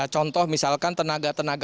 contoh misalkan tenaga teknologi